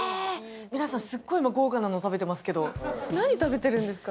皆さん、すっごい豪華なのを食べてますけど何食べてるんですか？